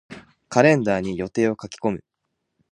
カレンダーに予定を書き込む。